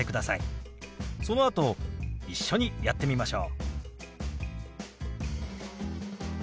そのあと一緒にやってみましょう。